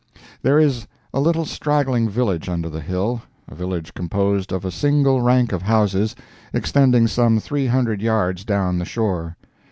There is a little straggling village under the hill, a village composed of a single rank of houses, extending some three hundred yards down the shore.